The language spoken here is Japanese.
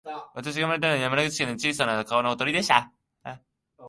私が生まれたのは、山口県の小さな川のほとりでした